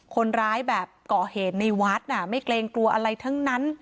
คนร้ายแบบก่อเหตุในวัดไม่เกรงกลัวอะไรทั้งนั้น